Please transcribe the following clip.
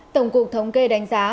tổng cục thống kê đánh giá